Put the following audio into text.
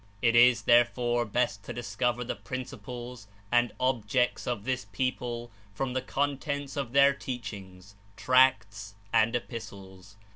It is therefore best to discover the principles and objects of this people from the contents of their teachings, tracts and epistles.